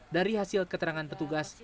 dari hasil keterangan petugas